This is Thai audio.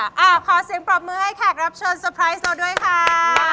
อ่าขอเสียงปรบมือให้แขกรับเชิญสไพรซ์ตัวด้วยค่า